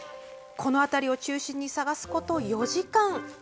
この辺りを中心に探すこと４時間。